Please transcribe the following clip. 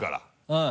うん。